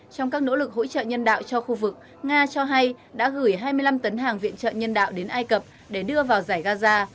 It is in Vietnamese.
trong các nỗ lực hỗ trợ nhân đạo cho khu vực nga cho hay đã gửi hai mươi năm tấn hàng viện trợ nhân đạo đến ai cập để đưa vào giải gaza